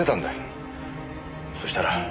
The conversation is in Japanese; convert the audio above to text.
そしたら。